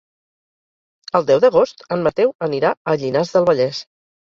El deu d'agost en Mateu anirà a Llinars del Vallès.